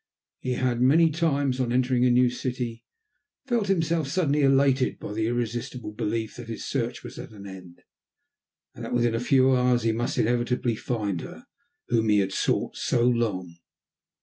He had many times, on entering a new city, felt himself suddenly elated by the irresistible belief that his search was at an end, and that within a few hours he must inevitably find her whom he had sought so long.